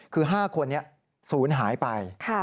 คือ๕คนนี้ศูนย์หายไป